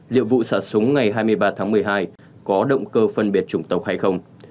liệu vụ xả súng ngày hai mươi ba tháng một mươi hai có động cơ phân biệt chủng tộc hay không